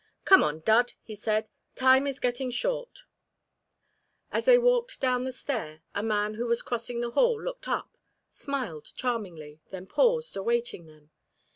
"Come on, Dud," he said, "time is getting short." As they walked down the stair a man who was crossing the hall looked up, smiled charmingly, then paused, awaiting them.